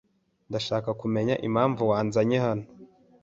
Ndashaka kumenya impamvu wanzanye hano.